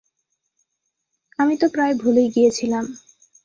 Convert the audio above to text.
আমি তো প্রায় ভুলেই গিয়েছিলাম।